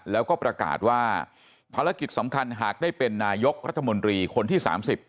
แล้วก็ประกาศว่าภารกิจสำคัญหากได้เป็นนายกรัฐมนตรีคนที่๓๐